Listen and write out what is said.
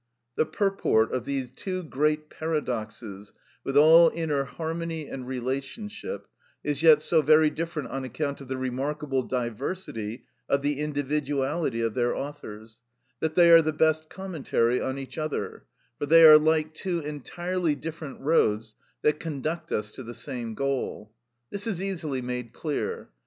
The purport of these two great paradoxes, with all inner harmony and relationship, is yet so very different on account of the remarkable diversity of the individuality of their authors, that they are the best commentary on each other, for they are like two entirely different roads that conduct us to the same goal. This is easily made clear.